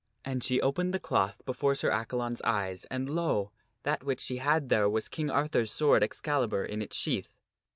And she opened the cloth before Sir Accalon's eyes, and lo ! that which she had there was King Arthur's sword Excali bur in his sheath.